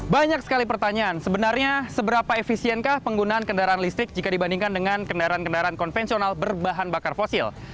banyak sekali pertanyaan sebenarnya seberapa efisienkah penggunaan kendaraan listrik jika dibandingkan dengan kendaraan kendaraan konvensional berbahan bakar fosil